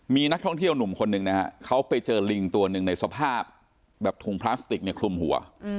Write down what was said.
มีนักท่องเที่ยวหนุ่มคนหนึ่งนะฮะเขาไปเจอลิงตัวหนึ่งในสภาพแบบถุงพลาสติกเนี่ยคลุมหัว